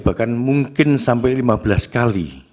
bahkan mungkin sampai lima belas kali